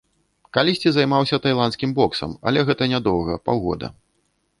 Калісьці займаўся тайландскім боксам, але гэта не доўга, паўгода.